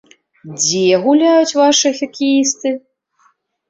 Дзе гуляюць вашыя хакеісты?